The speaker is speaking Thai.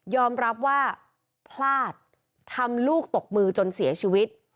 รับว่าพลาดทำลูกตกมือจนเสียชีวิต